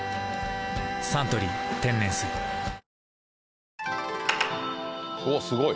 「サントリー天然水」わぁすごい！